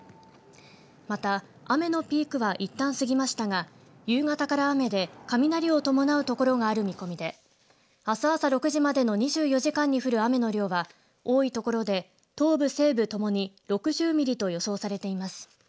また、雨のピークはいったん過ぎましたが夕方から雨で雷を伴うところがある見込みであす朝６時までの２４時間に降る雨の量は多いところで東部西部ともに６０ミリと予想されています。